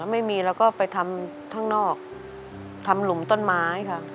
ไม่มีเราก็ไปทำข้างนอกทำหลุมต้นไม้ค่ะ